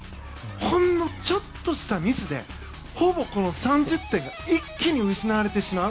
ほんのちょっとしたミスでほぼ３０点が一気に失われてしまう。